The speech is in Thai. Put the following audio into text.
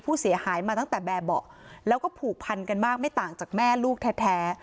ผู้เสียหายมาตั้งแต่แบบเบาะแล้วก็ผูกพันกันมากไม่ต่างจากแม่ลูกแท้